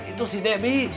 itu si debbie